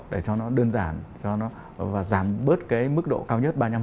để cho nó đơn giản giảm bớt cái mức độ cao nhất ba mươi năm